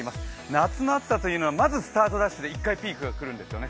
夏の暑さというのはまずスタートダッシュで１回、ピークが来るんですね。